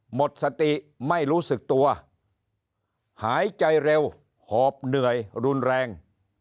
หมดสติไม่รู้สึกตัวหายใจเร็วหอบเหนื่อยรุนแรง